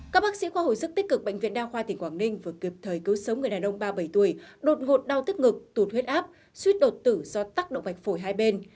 các bác sĩ khoa hồi sức tích cực bệnh viện đa khoa tỉnh quảng ninh vừa kịp thời cứu sống người đàn ông ba mươi bảy tuổi đột ngột đau tức ngực tụt huyết áp suyết đột tử do tắc động mạch phổi hai bên